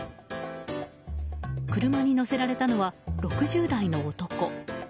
車に乗せられたのは６０代の男。